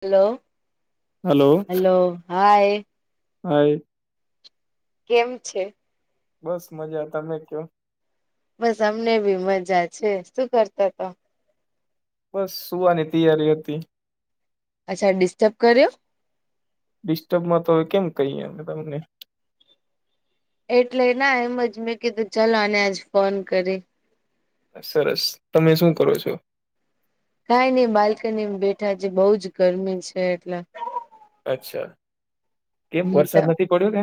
Hello hello hello hi. Hi. કેમ છે? બસ મજા, તમે કયો. બસ અમને બી મજા છે, શું કરતા તા? બસ સુવાની તૈયારી હતી. અચ્છા ડિસ્ટબ કર્યો? ડિસ્ટર્બમાં તો અવે કેમ કહીએ અમે તમને. એટલે ના એમ જ મેં કીધું ચાલો આને આજ ફોન કરી. સરસ. તમે શું કરો છો? કઈ નહીં બાલ્કનીમાં બેઠા છી બઉ જ ગરમી છે એટલે. અચ્છા, કેમ વરસાદ નથી પડ્યો ને.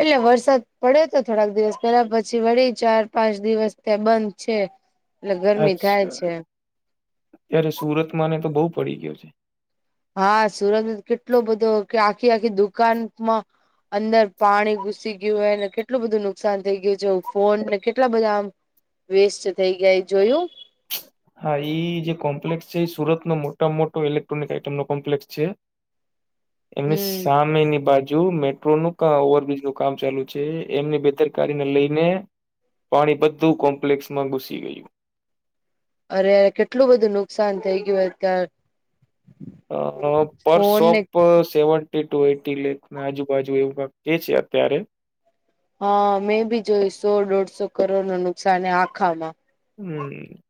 હ એટલે વરસાદ પડ્યો તો થોડાક દિવસ પેલા પછી વળી ચાર પાંચ દિવસ થયાં બંધ છે. એટલે ગરમી થાય અચ્છા, છે યાર સુરતમાંને તો બહુ પડી ગયો છે. હા સુરત કેટલો બધો કે આખી આખી દુકાનમાં અંદર પાણી ઘુસી ગયું હેને કેટલું બધું નુકસાન થઈ ગયું જો ફોનને કેટલા બધા આમ વેસ્ટ થઈ ગા એ જોયું? હા ઈ જે કોમ્પ્લેક્સ છે એ સુરતનો મોટામાં મોટો ઇલેક્ટ્રોનિક આઈટમનો કોમ્પ્લેક્ષસ છે. એની હમ સામેની બાજુ મે ટ્રોનુ ઓવરબ્રીજ નું કામ ચાલુ છે એમની બેદરકારીને લઈને પાણી બધું કોમ્પ્લેક્સમાં ઘુસી ગયું. અરે કેટલું બધું નુકસાન થઈ ગયુ એ ત્યાંર. અ પર ફોનને શોપ સેવન ટેટૂ અઈટી લેખ ના આજુબાજુ એવું કાક કે છે અત્યારે. હા મેં બી જોયું સો દોઢસો કરોડનું નુકસાન હે આખામાં. હમ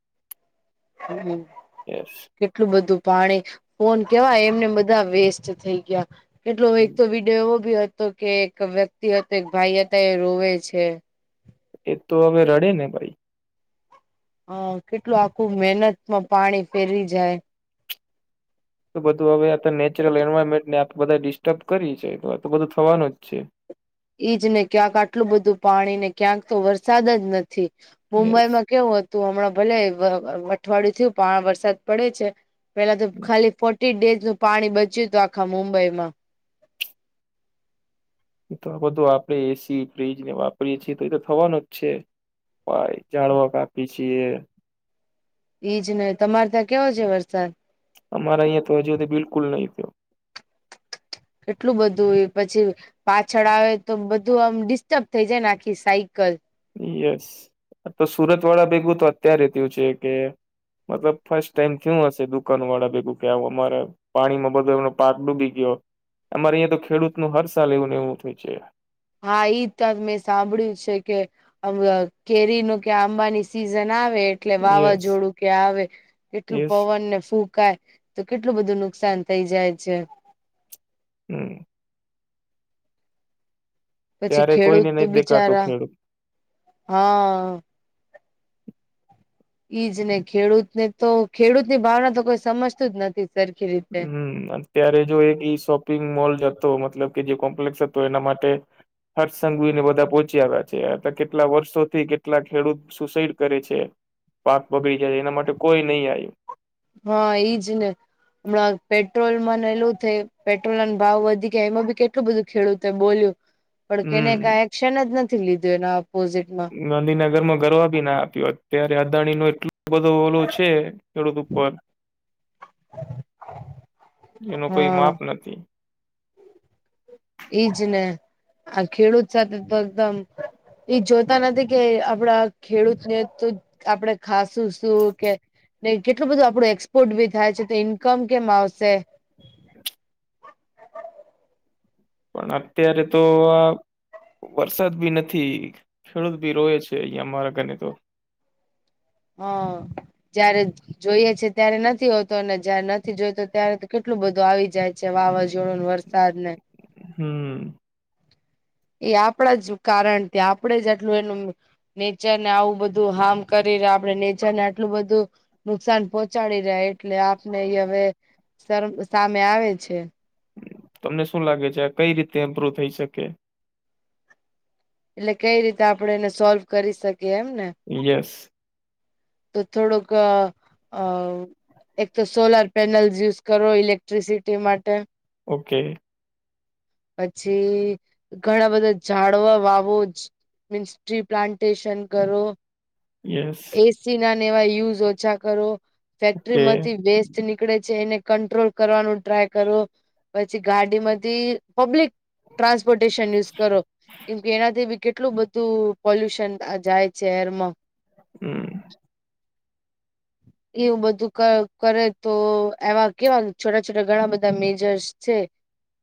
હમ હમ યસ. કેટલું બધું પાણી, ફોન કેવા એમને એમ બધા વેસ્ટ થઈ ગયા. કેટલું એક તો વીડ ડિયો એવો ભી હતો કે એક વ્યક્તિ હતો એક ભાઈ હતા એ રોવે છે. એતો હવે રડે ને ભાઈ. હહ કેટલું આખું મહેનતમાં પાણી ફેરવી જાય. તો બધું હવે આત નેચરલ એન્વાયરમેન્ટને આપે બધાએ ડિસ્ટર્બ કરી છે તો આતો બધું થવાનું જ છે. ઈજ ને ક્યાંક આટલું બધું પાણી ને ક્યાંક તો વરસાદ જ નથી યસ મુંબઈમાં કેવું હત તું હમણાં ભલે અઠવાડિયું થયું પણ વરસાદ પડે છે પેલા તો ખાલી ફ ટી ડેઝનું પાણી બચ્યું તું આખા મુંબઈમાં. ઈ તો આ બધું આપડે એસી, ફ્રીજને વાપરીએે છીએ તો એતો થવાનું જ છે. ભાઈ ઝાળવા કાપી છીએ. ઈજને તમારે ત્યાં કેવો છે વરસાદ? અમારે અહીંયા તો હજુ હુધી બિલકુલ નહી થયો. કેટલું બધું એ પછી પાછળ આવે તો બધું આમ ડિસ્ટર્બ થઈ જાય ને આખી સાઈકલ. યસ. આતો સુરતવાળા ભેગું તો અત્યારે થયું છે કે મતલબ ફર્સ્ટ ટાઈમ થયું હશે દુકાનુંવાળા ભેગું કે આવું અમારા પાણીમાં બધો એનો પાક ડૂબી ગયો. અમારે અહીંયા તો ખેડૂતનું હર સાલ એવું ને એવું થયું છે. હા ઈજ કાક મેં સાંભળ્યું છે કે અવ કેરીનો કે આંબાની સિઝન આવે એટલે યસ વાવાઝોડું કે આવે, કેટલું યસ પવનને ફૂંકાય. તો કેટલું બધું નુકસાન થઇ જાય છે. હમ પછી ત્યારે ખેડૂત કોઈને તો નહી દેખાતો બિચારા ખેડૂત હહ ઈજ ને ખેડૂતને તો ખેડૂતની ભાવના તો કોઈ સમજતું જ નથી. સરખી રીતે હમ અન અત્યારે જો એક ઈ શોપિંગ મોલ હતો મતલબ કે જે કોમ્પ્લેસ હતો એના માટે હર્ષ સંઘવીને બધા પોહચી આવ્યા છે આત કેટલા વર્ષોથી, કેટલા ખેડૂત સુસાઈડ કરે છે. પાક બગડી જાય એના માટે કોઈ નહી આયું. હા ઈજ ને. હમણાં પેટ્રોલમાંને એલું થે પેટ્રોલના ને ભાવ વધી ગયા એમાં બી કેટલું બધું ખેડૂતે બોલ્યું. પણ કેને કાય હમ એક્શન જ નથી લીધું એના અપોઝિટમાં. ઈ ગાંધીનગરમાં કરવા બી ના આપ્યું અત્યારે અદાણીનું એટલું બધું ઓલું છે. ખેડૂત ઉપર એનું કોઈ હા માપ નથી. ઈજ ને આ ખેડૂત સાથે તો એકદમ એ જોતા નથી કે આપડા ખેડૂતને તો આપણેે ખાસ શું શું કે ને કેટલું બધું આપડું એક્સપોર્ટ ભી થાય છે. તો ઇન્કમ કેમ આવશે? પણ અત્યારે તો આ વરસાદ ભી નથી. ખેડૂત ભી રોવે છે અહિયાં અમારા કને તો. હહ જયારે જોઈએ છે ત્યારે નથી હોતો. અને જયારે નથી જોઈતો ત્યારે તો કેટલું બધું આવી જાય. છે વાવાઝોડુંને, વરસાદને. હમ એ આપણા જ કારણ કે આપણેે જ અટલું એનું નુક નેચરને આવું બધું હાર્મ કરી રાખ અને આપણે નેચર ને આટલું બધું નુકસાન પહોંચાડી રહ્યા એટલે આપને હવે. સરમ સામે આવે છે. તમને શું લાગે છે આ કઈ રીતે ઇમ્પ્રુવ થઈ શકે? એટલે કઈ રીતે આપડે એને સોલ્વ કરી શકીએ એમ ને. યસ. તો થોડોક અ અવ. એક તો સોલાર પેનલ યુઝ કરો ઇલેક્ટ્રિસિટી માટે. ઓકે. પછી ઘણા બધા ઝાડવા વાવ રોજ મીન્સ ટ્રી પ્લાન્ટેશન કરો. યસ. પીસી ના ને એવા યુઝ ઓછા કરો. ફેક્ટરી કે માંથી વેસ્ટ ની નીકળે છે એને કટ્રોલ કરવાનું ટ્રાય કરો. પછી ગાડીમાંથી પબ્લિક ટ્રાસપોર્ટેશન યુઝ કરો. કેમકે એનાથી બી કેટલું બધું પોલ્યુશન જાય છે. એરમાં. હમ્મ. [inaudible] એવું બધું ક કરે તો એવા કેવા છોટા છોટા ઘણા બધા મેજર્સ છે.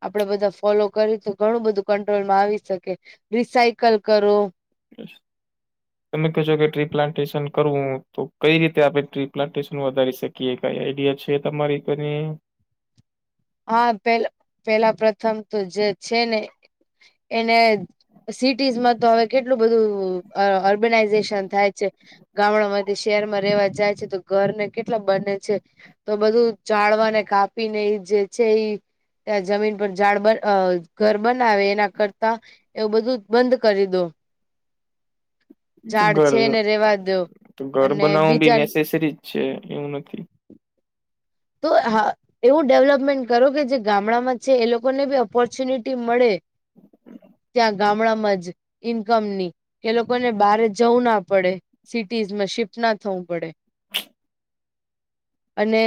આપડે બધા ફોલો કરી તો ઘણું બધું કંટ્રોલમાં આવી શકે. રિસાયકલ કરો [inaudible] તમે કેશો કે ટ્રી પ્લાન્ટેશન કરવું તો કઈ રીતે આપણે ટ્રી પ્લાન્ટેશન વધારી શકીએ? કે કઈ આઈડિયા છે તમારી તરે. હા પે પેલા પ્રથમ તો જે છે ને એને. સિટીઝમાં તો હવે કેટલું બધું અ અર્બેનાઈઝેશન થાય છે. ગામડા માંથી શહેરમાં રહેવા જાય છે. તો ઘરને કેટલા બને છે. તો બધું જાળવાને કાપીને એ જે છે ઈ. ત્યાં જમીન પર ઝાડ બ અ ઘર બનાવે એના કરતા એવું બધું બંધ કરી દો. ઝાડ ઘર છે એને રેવા દો ઘર અને બનાવવું બી બીજા નેસેસરીજ છે એવું નથી. તો હા. એવું ડેવલપમેન્ટ કરો કે જે ગામડામાં છે. એ લોકોને બી ઓપોર્ચ્યુનિટી મળે. ત્યાં ગામડામાં જ ઈન્કમ ની એ લોકોને બહારે જવું ના પડે. સિટીઝમાં શિફ્ટ ના થવું પડે. અને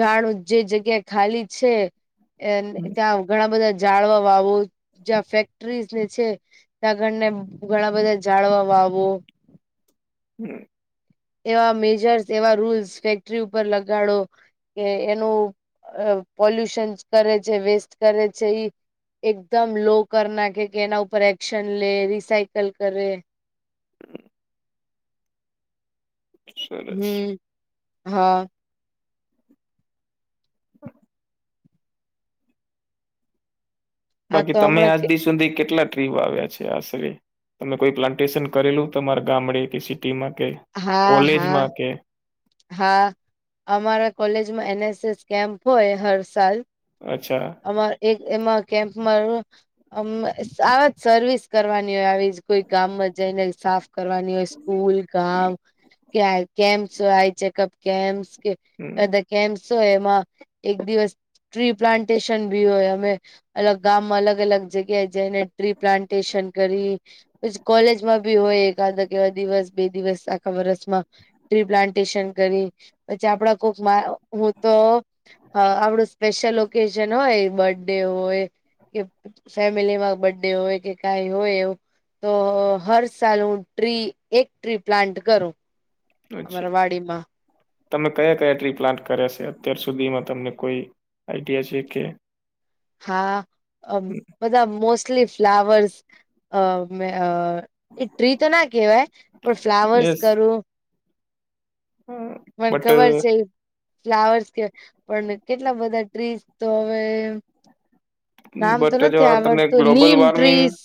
જાણું જે જગ્યા ખાલી છે. એને ત્યાં ઘણા બધા જાળવા વાવો જ્યાં ફેક્ટરીઝ ને છે. ત આગળને ઘણા બધા જાળવા વાવો. હમ્મ. એવા મેજર્સ એવા રૂલ્સ ફેક્ટરી ઉપર લગાડો. કે એનું પોલ્યુશન કરે છે. વેસ્ટ કરે છે. ઈ એકદમ લો કરી નાખે કે એના ઉપર એક્શન લે રિસાયકલ કરે સરસ હમ્મ હા. હમ્મ. આ બાકી તો તમે હમણાં કે આજદી સુધી કેટલા બીજ વાવ્યા છે. છે. આશરે તમે કોઈ પ્લાન્ટેશન કરેલું તમારા ગામડે કે સિટીમાં ક્યાંય. હા હા. હા અમારા કોલેજમાં એન એસ એસ કેમ્પ હોય હર સાલ. અચ્છા. આમા એક એમાં કેમ્પમાં અ આવાજ સર્વિસ કરવાની હોય આવી જ કોઈ ગામમાં જઈને સાફ કરવાની હોય સ્કૂલ, ગામ, કે કેમ્પ્સ આ ચેકઅપ કેમ્પસ કે હમ બધા કેમ્પ્સ હોય એમાં એક દિવસ ટ્રી પ્લાન્ટેશન ભી હોય અમે અલગ ગામમાં અલગ અલગ જગ્યાએ જઈને ટ્રી પ્લાન્ટેશન કરી પછી કોલેજમાં ભી હોય એકાદક એવા દિવસ બે દિવસ આખા વરસમાં ટ્રી પ્લાન્ટેશન કરી પછી આપડા કોક મા હું તો હ આપડું સ્પેશિયલ ઓકેજન હોય બર્થ ડે હોય કે ફેમિલીમાં બર્થડે હોય કે કઈ હોય એવું તો હર સાલ હું ટ્રી એક ટ્રી પ્લાન્ટ કરું અચ્છા અમારા વાડીમાં તમે કયા કયા ટ્રી પ્લાન્ટ કર્યા છે અત્યાર સુધીમાં તમને કોઈ આઈડિયા છે કે હા અ બધા મોસ્ટલી ફ્લાવર્સ અ એ ટ્રી તો ના કેહેવાય પણ ફ્લાવર્સ યસ કરું મને બટ ખબર છે. ફ્લાવર્સ કે પણ કેટલા બધા ટ્રીઝ તો હવે નામ તો બટ જો નથી તમને આવડતું ગ્લોબલ નીમ વોર્મિંગ ટ્રીસ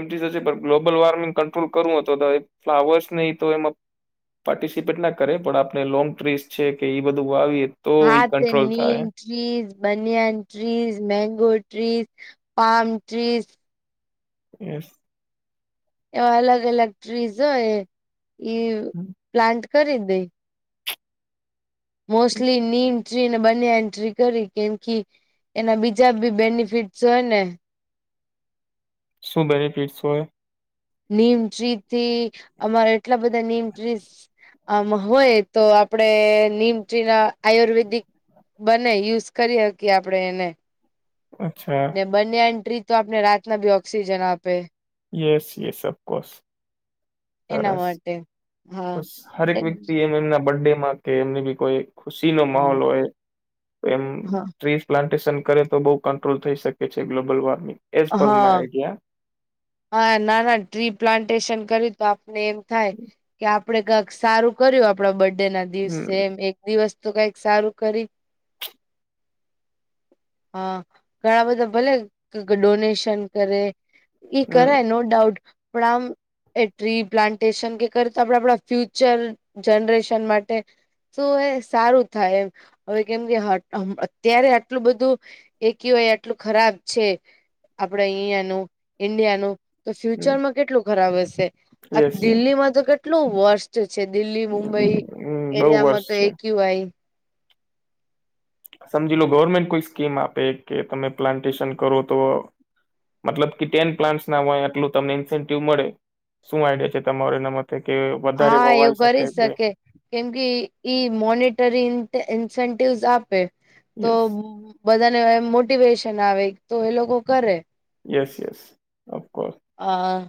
મટી તો છે પણ ગ્લોબલ વોર્મિંગ કંટ્રોલ કરવું હતો તો ફ્લાવર્સ નહીં તો એમાં પાર્ટિસિપેટ ના કરે પણ આપણે લોંગ ટ્રીસ છે કે એ બધું વાવીએ તો એ હા તે કંટ્રોલ નીમ થાય. Trees banyan trees, mango trees, palm trees એસ. એવા અલગ અલગ ટ્રીઝ હોએ ઈ પ્લાન્ટ કરી દેઇ. Mostly neem tree banyan tree કરી કેમ કે એના બીજા બી બેનિફિટસ હોય ને શું બેનિફિટ્સ હોય. નીમ ટ્રી થી અમારા એટલા બધા નીમ ટ્રી આમ હોય તો આપડે નીમ ટ્રી ના આયુર્વેદિક બને યુઝ કરી હકીએ આપણે એને અચ્છા. બનયાન ટ્રી તો આપને રાતના બી ઓક્સિજન આપે. યસ યસ સબ કોર્સ. એના સરસ માટે હા બસ હરેક વ્યક્તિ એમ એમના બર્થડેમાં કે એમની બી કોઈ ખુશી નો માહોલ હોય તો એમ હા ટ્રી પ્લાન્ટેશન કરે તો બહુ કંટ્રોલ થઈ શકે છે ગ્લોબલ વોર્મિંગ એઝ પર હા માય આઈડિયા હા નાના ટ્રી પ્લાન્ટેશન કર્યું તો આપને એમ થાય કે આપડે કંઈક સારું કર્યું આપણા બર્થ ડે ના હમ દિવસેમ એક દિવસ તો કઈક સારું કરી હા ઘણા બધા ભલે ડોનેશન કરે ઈ હમ કરાય નો ડાઉટ પણ આમ એ ટ્રી પ્લાન્ટેશન કે કરત આપણા આપણા ફ્યુચર જનરેશન માટે શું એ સારું થાય એમ હવે કેમ કે હ અત્યારે આટલું બધું એ કેવાય આટલું ખરાબ છે આપડે અહિયાંનું ઈન્ડિયાનું તો હમ ફ્યુચરમાં કેટલું ખરાબ હશે આ યસ યસ દિલ્હીમાં તો કેટલું વર્ષ છે દિલ્હી મુંબઈ હમ બહુ એરિયામાં વર્ષ તો છે એકયુવાય સમજી લો ગવર્મેન્ટ કોઈ સ્કીમ આપે કે તમે પ્લાન્ટેશન કરો તો મતલબ કે ટેન પ્લાન્ટસ ના હોય આટલું તમને ઇન્સેન્ટિવ મળે શું આઈડિયા છે તમારે એના. કે કે વધારે હા એવું વવાઈ શકે કરી કે. કેમ કે ઈ મોનિટરી ઇન ઇન્સેન્ટિવસ આપે તો. યસ બધાને એમ મોટિવેશન આવે તો એ લોકો કરે. Yes yes. ઓફકોર્સ અ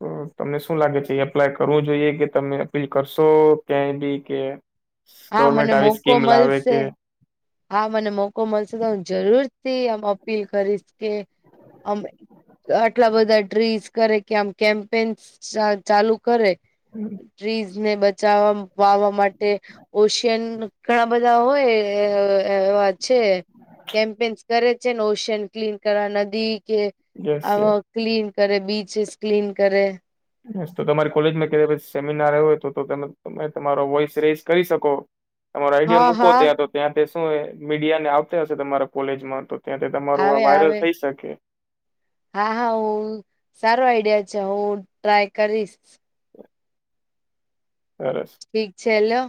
તો તમને શું લાગે છે એપ્લાય કરવું જોઈએ કે તમે અપીલ કરશો ક્યાંય બી કે. હા ગવર્મેન્ટ મને આવી મોકો સ્કીમ લાવે મલશે. કે હા મને મોકો મળશે તો હું જરૂર થી આમ અપીલ કરીશ કે. અમે. આટલા બધા ડ્રીમસ કરે કે આમ કેમ્પેન્સ ચાલુ કરે. હમ્મ. ટ્રીઝ ને બચાવવા વાવા માટે ઓશિયન ઘણા બધા હોય અ એવા છે. કેમ્પેન્ઈસ કરે છે ને ઓશયન ક્લીન કરવા નદી કે યસ આ યસ ક્લીન કરે બીચીસ ક્લીન કરે. બસ તો તમારી કોલેજમાં કયારેક સેમિનાર આયવો તો તમે તમારો વોઈસ રેઝ કરી શકો. તમારો આઈડિયા હા મૂકો હા ત્યાં તો ત્યાંથી શું મીડિયા ને આવતા હશે તમારા કોલેજમાં તો. ત્યાંથી તમારું આવે આ વાયરલ આવે થઈ શકે. હા હા હવ સારો આઈડિયા છે હું ટ્રાય કરીશ. સરસ. ઠીક છે લ્યો.